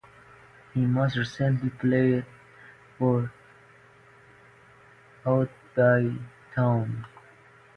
He most recently played for Oadby Town.